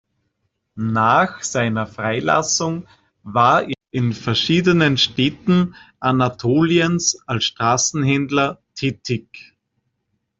Nach seiner Freilassung war er in verschiedenen Städten Anatoliens als Straßenhändler tätig.